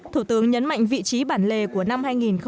thủ tướng nhấn mạnh vị trí bản lề của năm hai nghìn một mươi chín